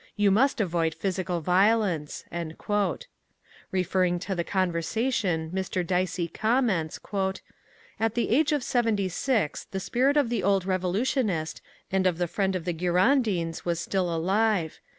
You must avoid physical violence." Referring to the conversation, Mr. Dicey comments: At the age of seventy six the spirit of the old revolutionist and of the friend of the Girondins was still alive.